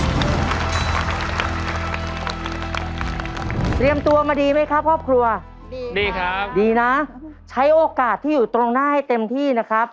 เตรียมตัวมาดีไหมครับครอบครัวดีครับดีนะใช้โอกาสที่อยู่ตรงหน้าให้เต็มที่นะครับ